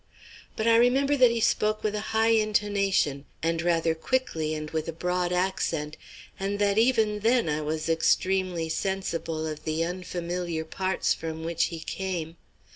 But I remember that he spoke with a high intonation, and rather quickly and with a broad accent, and that even then I was extremely sensible of the unfamiliar parts from which he came.